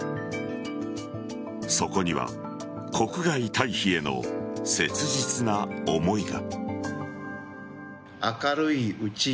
そこには国外退避への切実な思いが。